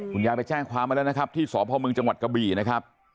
คุณยายไปแจ้งความมาแล้วนะครับที่สพมจังหวัดกะบี่นะครับ